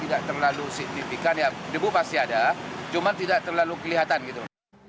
tidak terlalu signifikan ya debu pasti ada cuma tidak terlalu kelihatan gitu